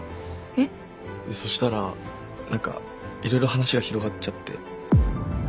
えっ？そしたら何かいろいろ話が広がっちゃって。